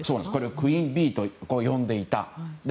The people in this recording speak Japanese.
クイーン・ビーと呼んでいた。